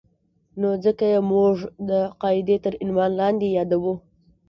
نو ځکه یې موږ د قاعدې تر عنوان لاندې یادوو.